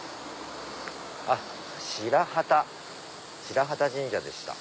あっ白旗神社でした。